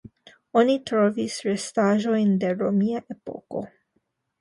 Oni trovis restaĵojn de romia epoko.